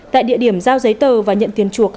tại địa điểm giao giấy tờ và nhận tiền chuộc